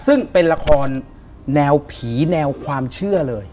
ซึ่งเป็นละครแนวผีแนวความเชื่อเลย